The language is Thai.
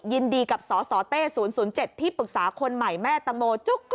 ยินดีกับสสเต้๐๐๗ที่ปรึกษาคนใหม่แม่ตังโมจุ๊ก